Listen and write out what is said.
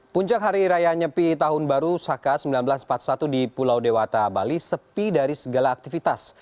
puncak hari raya nyepi tahun baru saka seribu sembilan ratus empat puluh satu di pulau dewata bali sepi dari segala aktivitas